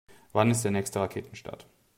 Wann ist der nächste Raketenstart?